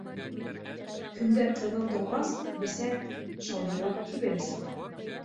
Көндәр ҡыҙыу торғас, бесән шауҙырлап кибә лә сыға